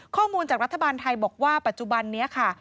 ข้อมูลจากรัฐบาลไทยบอกว่าปัจจุบันนี้ค่ะ